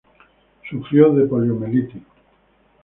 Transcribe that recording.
Sufrió de poliomielitis.